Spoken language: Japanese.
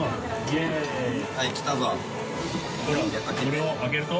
それを開けると？